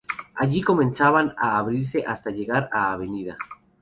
Allí comenzaba a abrirse hasta llegar a Av.